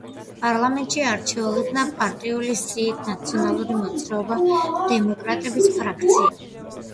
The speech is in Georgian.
პარლამენტში არჩეულ იქნა პარტიული სიით, ნაციონალური მოძრაობა-დემოკრატების ფრაქციიდან.